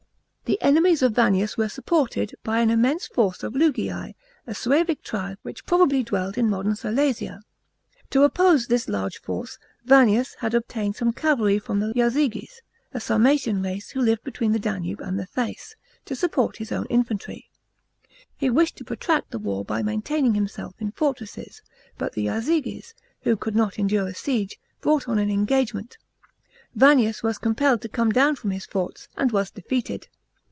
The enemies of Vannius were supported by an immense force of Lugii, a Suevic tribe which probably dwelled in the modern Silesia. To oppose this large force, Vannius had obtained some cavalry from the lazyges (a Sarmatian race who lived between the Danube and the Theiss), to support his own infantry. He wished to protract the war by maintaining himself in fortresses ; but the lazyges, who could not endure a siege, brought on an engagement; Vannius \vas compelled to come down from his forts, and was defeated.